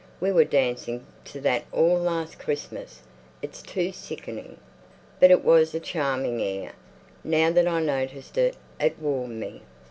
We were dancing to that all last Christmas. It's too sickening!" But it was a charming air. Now that I noticed it, it warmed me.